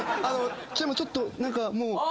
あのちょっと何かもう。